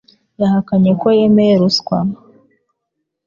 yahakanye ko yemeye ruswa.